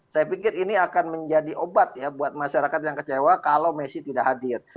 saya pikir ini akan menjadi obat ya buat masyarakat yang kecewa kalau messi tidak hadir